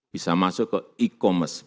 bisa masuk ke e commerce